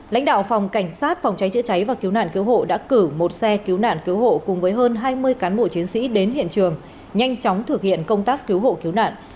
lãnh đạo phòng cảnh sát phòng cháy chữa cháy và cứu nạn cứu hộ đã cử một xe cứu nạn cứu hộ cùng với hơn hai mươi cán bộ chiến sĩ đến hiện trường nhanh chóng thực hiện công tác cứu hộ cứu nạn